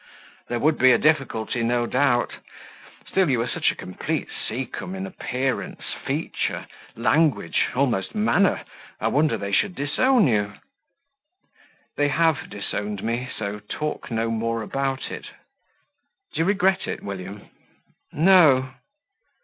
"There would be a difficulty, no doubt; still you are such a complete Seacombe in appearance, feature, language, almost manner, I wonder they should disown you." "They have disowned me; so talk no more about it." "Do you regret it, William?" "No."